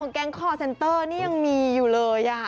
แก๊งคอร์เซ็นเตอร์นี่ยังมีอยู่เลย